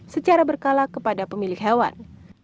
secara berkala kepada pemilik hewan